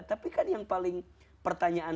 tapi kan yang paling pertanyaan